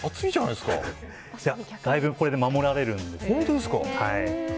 いや、だいぶこれで守られるんです。